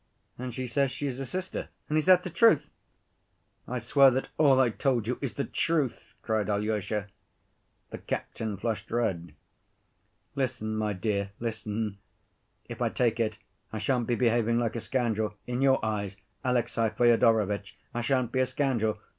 And she says she is a sister.... And is that the truth?" "I swear that all I told you is the truth," cried Alyosha. The captain flushed red. "Listen, my dear, listen. If I take it, I shan't be behaving like a scoundrel? In your eyes, Alexey Fyodorovitch, I shan't be a scoundrel?